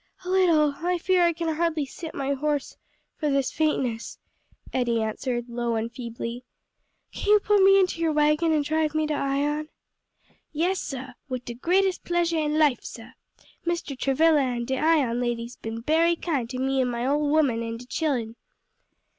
"A little; I fear I can hardly sit my horse for this faintness," Eddie answered, low and feebly. "Can you put me into your wagon and drive me to Ion?" "Yes, sah; wid de greatest pleasah in life, sah. Mr. Travilla and de Ion ladies ben berry kind to me an' my ole woman and de chillen."